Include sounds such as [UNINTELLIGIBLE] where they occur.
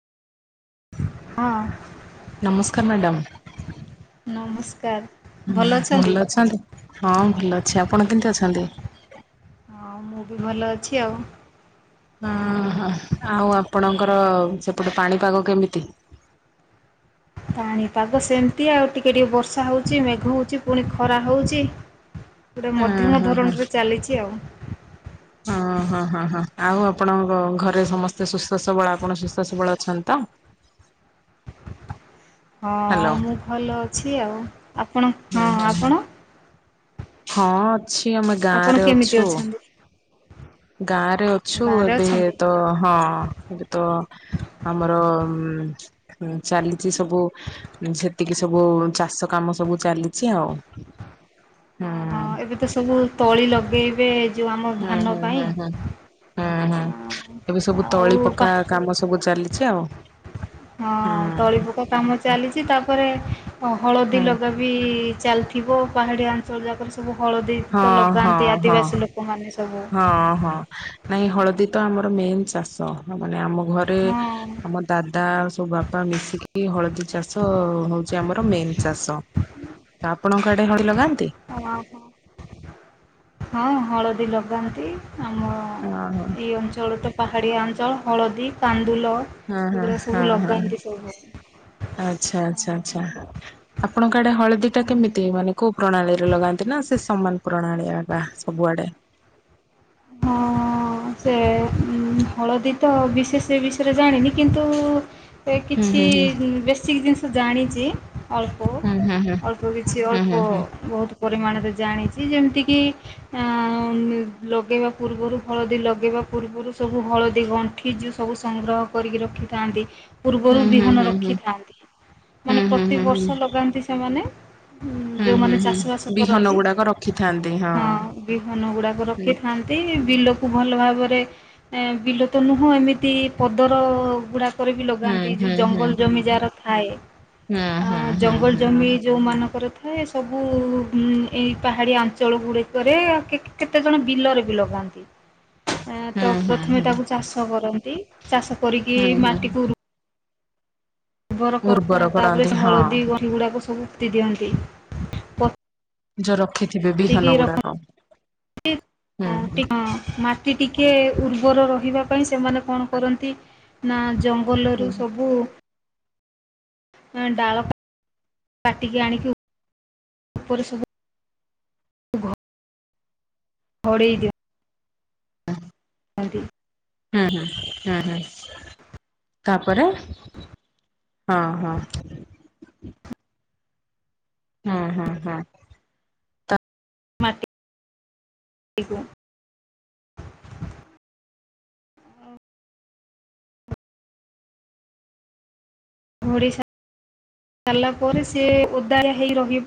ହଁ। ନମସ୍କାର୍ ମ୍ୟାଡ଼ମ୍। ନମସ୍କାର୍। ଭଲ ଅଛନ୍ତି ହଁ ଭଲ ଅଛି, ଆପଣ କେମ୍ତି ଅଛନ୍ତି? ଆଉ ମୁଁ ବି ଭଲ ଅଛି ଆଉ। ହଁ-ହଁ ଆଉ ଆପଣଙ୍କର ସେପଟେ ପାଣିପାଗ କେମିତି? ପାଣିପାଗ ସେମ୍ତି ଆଉ, ଟିକେ-ଟିକେ ବର୍ଷା ହଉଚି ମେଘ ହଉଚି ପୁଣି ଖରା ହଉଚି ପୁରା ହଁ ମଧ୍ୟମ ହଁ ଧରଣରେ ଚାଲିଚି ଆଉ। ହଁ-ହଁ-ହଁ-ହଁ ଆଉ ଆପଣଙ୍କ ଘରେ ସମସ୍ତେ ସୁସ୍ଥ ସବଳ ଆପଣ ସୁସ୍ଥ ସବଳ ଅଛନ୍ତି ତ? ହଁ ହ୍ୟାଲୋ ମୁଁ ଭଲ ଅଛି ଆଉ, ଆପଣ ହୁଁ ହଁ ହୁଁ ହୁଁ ଆପଣ? ହଁ ଅଛି, ଆମେ ଆପଣ ଗାଁରେ କେମିତି ଅଛୁ। ଅଛନ୍ତି ଗାଁରେ ଅଛୁ, ଗାଁରେ ଏବେ ଅଛନ୍ତି? ତ ହଁ ଏବେ ତ ଆମର ଉଁ ଚାଲିଚି ସବୁ ସେତିକି ସବୁ ଚାଷ କାମ ସବୁ ଚାଲିଚି ଆଉ। ହୁଁ ହଁ-ହଁ ଏବେ ତ ସବୁ ତଳି ଲଗେଇବେ। ଯୋଉ ଆମ ଧାନ ପାଇଁ। ହୁଁ-ହୁଁ-ହୁଁ-ହୁଁ-ହୁଁ ଏବେ ସବୁ ଆଉ ତଳି ପକା ପା କାମ ସବୁ ଚାଲିଚି ଆଉ। ହଁ ତଳି ହୁଁ ପକା କାମ ଚାଲିଚି ତାପରେ ହଳଦୀ ହୁଁ ଲଗା ବି ଚାଲିଥିବ ପାହାଡ଼ିଆ ଅଞ୍ଚଳ ଯାକରେ ସବୁ ହଳଦୀ ହଁ ତ ଲଗାନ୍ତି ଆଦିବାସୀ ଲୋ କ ମାନେ ସବୁ ହଁ-ହଁ ନାଇଁ ହଳଦୀ ତ ଆମର ମେନ୍ ଚାଷ, ମାନେ ଆମ ଘରେ ହଁ। ଆମ ଦାଦା ସବୁ ବାପା ମିଶିକି ହଳଦୀ ଚାଷ ହଉଚି ଆମର ମେନ୍ ଚାଷ। ତ ଆପଣଙ୍କ ଆଡେ ହଳଦୀ ଲଗାନ୍ତି? ହଁ ହଳଦୀ ଲଗାନ୍ତି, ଆମ ଓହୋ ଏଇ ଅଞ୍ଚଳ ତ ପାହାଡ଼ିଆ ଅଞ୍ଚଳ ହଳଦୀ କାନ୍ଦୁଲ ହଁ ହଁ ସେଗୁଡା ସବୁ ଲଗାନ୍ତି ସବୁ ଘରେ। ଆଚ୍ଛା-ଆଚ୍ଛା-ଆଚ୍ଛା। ଆପଣଙ୍କ ଆଡେ ହଳଦୀ ଟା ହୁଁ। କେମିତି ମାନେ କୋଉ ପ୍ରଣାଳୀରେ ଲଗାନ୍ତି ନା ସେ ସମାନ ପ୍ରଣାଳୀ [UNINTELLIGIBLE] ସବୁଆଡ଼େ। ହଁ ହଁ ସେ ହଳଦୀ ତ ବିଶେଷ ବିଷୟରେ ଜାଣିନି କିନ୍ତୁ ସେ ହୁଁ କିଛି ହୁଁ ହୁଁ ବେଶିକ୍ ଜିନିଷ ଜାଣିଚି, ଅଲ୍ ହୁଁ ହୁଁ ହୁଁ [UNINTELLIGIBLE] ଅଳ୍ପ କିଛି ହୁଁ ଅଳ୍ପ ହୁଁ ବହୁତ୍ ପରିମାଣରେ ଜାଣିଚି ଯେମ୍ତିକି ଆଁ ଲ ଗେଇବା ପୂର୍ବରୁ ହଳଦୀ ଲଗେଇବା ପୂର୍ବୁରୁ ସବୁ ହଳଦୀ ଗଣ୍ଠି ଯୋଉ ସବୁ ସଂଗ୍ରହ କରିକି ରଖିଥାନ୍ତି। ପୂର୍ବରୁ ହୁଁ ବିହନ ହୁଁ ହୁଁ ରଖିଥାନ୍ତି ମାନେ ହୁଁ ପ୍ରତି ହୁଁ। ବର୍ଷ ଲଗାନ୍ତି ସେମାନେ ହୁଁ ହୁଁ ହୁଁ ହୁଁ ହୁଁ ହୁଁ ଯୋଉମାନେ ଚାଷ ବାସ ହୁଁ ବିହନ କରନ୍ତି ଗୁଡାକ ରଖିଥାନ୍ତି ହଁ ବିହନ ଗୁଡାକ ର ହୁଁ ଥାନ୍ତି ବିଲକୁ ଭଲ ଭାବରେ ଏ ବିଲ ତ ନୁହଁ ଏମିତି ପଦର ଗୁଡ଼ା କରିକି ହୁଁ ଲଗାନ୍ତି ଯୋଉ ହୁଁ ହୁଁ ଜଙ୍ଗଲ ଜମି ଯାର ଥାଏ ହୁଁ ଆଁ ହୁଁ ଜଙ୍ଗଲ ହୁଁ। ଜମି। ଯେଉଁମାନଙ୍କର ଥାଏ ସବୁ ଏଇ ପାହାଡ଼ିଆ ଅଞ୍ଚଳ ଗୁଡ଼ିକରେ କେତେ କେତେଜଣ ବିଲରେ ବି ଲଗାନ୍ତି ହୁଁ ତ ହୁଁ ହୁଁ ହୁଁ ପ୍ରଥମେ ହୁଁ ତାକୁ ଚାଷ କରନ୍ତି। ଚାଷ କରିକି ହୁଁ ହୁଁ। ମାଟିକୁ ଉ ଉର୍ବର କରିଥାଏ ତାପରେ କରନ୍ତି ସେ ହଁ ହଳଦୀ ଗଣ୍ଠି ଗୁଡ଼ାକ ସବୁ ପୋତି ଦିଅନ୍ତି। ଯୋଉ ରଖିଥିବେ ପୋତିକି ବିହନ ରଖ ଗୁଡାକ ହୁଁ। ମାଟି ଟିକେ ଉର୍ବର ରହିବା ପାଇଁ ସେମାନେ କଣ କରନ୍ତି। ନା ଜଙ୍ଗଲ ହୁଁ ରୁ ସବୁ [UNINTELLIGIBLE] ଡାଳ କାଟିକି ଆଣିକି ଉପରେ ସବୁ ଘୋଡ଼େଇ ଦିଅ। [INAUDIBLE] [UNINTELLIGIBLE] ହୁଁ ହୁଁ ହୁଁ ହୁଁ। ତାପରେ ହଁ ହଁ। ହଁ ହଁ ହଁ। ମାଟିକୁ [UNINTELLIGIBLE] ଘୋଡ଼େଇ ସାରିଲା ପରେ ସେ ଓଦାଳିଆ ହେଇ ରହିବ।